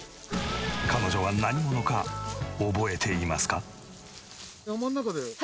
彼女は何者か覚えていますか？